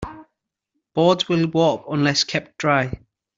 Boards will warp unless kept dry.